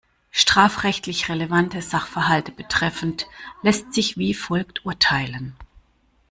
Strafrechtlich relevante Sachverhalte betreffend, lässt sich wie folgt urteilen.